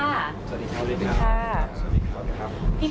สวัสดีค่ะสวัสดีครับ